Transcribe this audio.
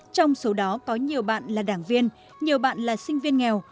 trong số đó có nhiều bạn là đảng viên nhiều bạn là sinh viên nghèo